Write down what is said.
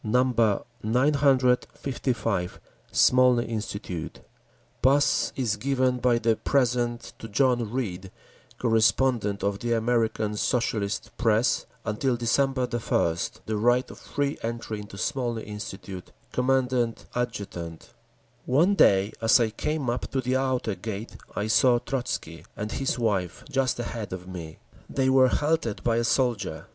955 Smolny Institute PASS Is given by the present to John Reed, correspondent of the American Socialist press, until December 1, the right of free entry into Smolny Institute. Commandant Adjutant One day as I came up to the outer gate I saw Trotzky and his wife just ahead of me. They were halted by a soldier.